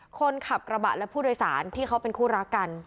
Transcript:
คนขับกระบะและผู้โดยสารที่เขาเป็นคู่รักกัน